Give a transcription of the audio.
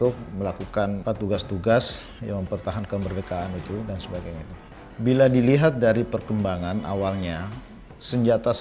keutuhan bangsa ada di tangan kita